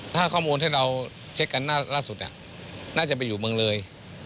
ถ้าข้อมูลที่เราเช็คกันล่าสุดน่าจะไปอยู่เมืองเลย